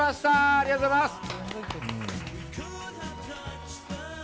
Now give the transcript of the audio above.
ありがとうございます。